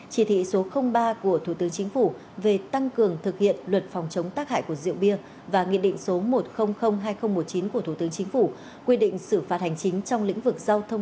chỉ thị số ba của thủ tướng chính phủ về tăng cường thực hiện luật phòng chống tác hại của rượu bia và nghị định số một trăm linh hai nghìn một mươi chín của thủ tướng chính phủ quy định xử phạt hành chính trong lĩnh vực giao thông